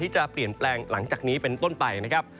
จะเปลี่ยนแปลงหลังจากนี้เป็นต้นไปนะครับ